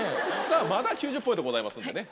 さぁまだ９０ポイントございますんでね。